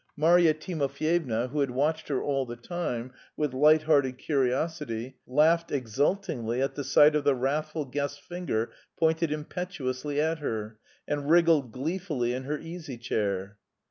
Marya Timofyevna, who had watched her all the time with light hearted curiosity, laughed exultingly at the sight of the wrathful guest's finger pointed impetuously at her, and wriggled gleefully in her easy chair.